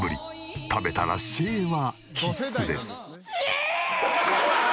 食べたらシェー！！は必須です。